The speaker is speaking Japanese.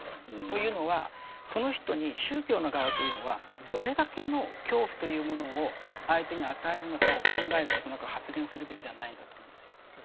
というのはその人に宗教の側というのはどれだけの恐怖というものを相手に与えるのかを考えることなく発言するべきではないんだと思うんですよ。